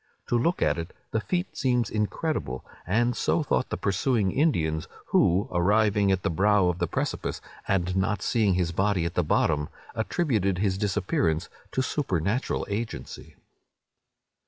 To look at it, the feat seems incredible; and so thought the pursuing Indians, who, arriving at the brow of the precipice, and not seeing his body at the bottom, attributed his disappearance to supernatural agency.